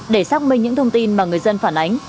để xác minh những thông tin mà người dân phản ánh